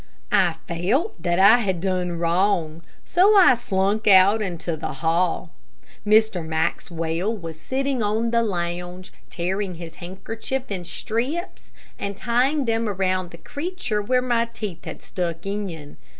I felt that I had done wrong, so I slunk out into the hall. Mr. Maxwell was sitting on the lounge, tearing his handkerchief in strips and tying them around the creature where my teeth had stuck in.